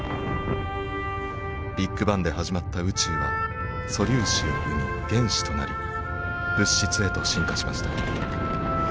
ビッグバンで始まった宇宙は素粒子を生み原子となり物質へと進化しました。